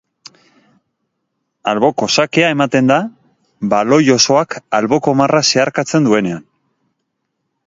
Alboko sakea ematen da baloi osoak alboko marra zeharkatzen duenean.